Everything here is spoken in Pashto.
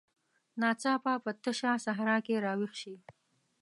ناڅاپه په تشه صحرا کې راویښ شي.